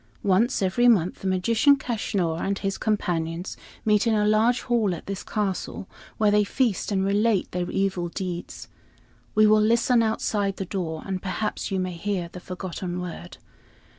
Once every month the magician, Kaschnur, and his companions meet in a large hall at this castle, where they feast and relate their evil deeds. We will listen outside the door, and perhaps you may hear the forgotten word.